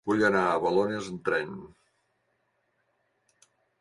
Vull anar a Balones amb tren.